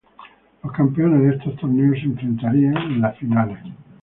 Los campeones de estos torneos se enfrentarían en las finales.